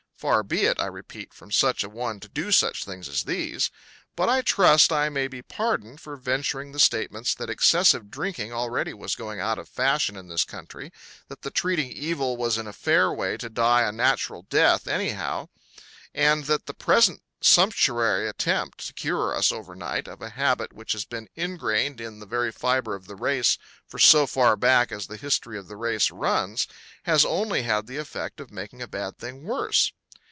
Far be it, I repeat, from such a one to do such things as these. But I trust I may be pardoned for venturing the statements that excessive drinking already was going out of fashion in this country, that the treating evil was in a fair way to die a natural death anyhow, and that the present sumptuary attempt to cure us overnight of a habit which has been ingrained in the very fibre of the race for so far back as the history of the race runs, has only had the effect of making a bad thing worse.